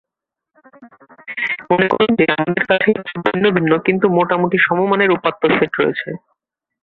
মনে করুন যে, আমাদের কাছে কিছু ভিন্ন ভিন্ন কিন্তু মোটামুটি সমমানের উপাত্ত সেট রয়েছে।